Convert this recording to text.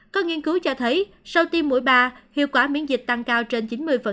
có nghiên cứu cho thấy sau tiêm mỗi ba hiệu quả miễn dịch tăng cao trên chín mươi